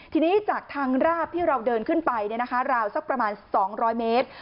ทีนี้จากทางราบที่เราเดินขึ้นไปราวสักประมาณ๒๐๐เมตร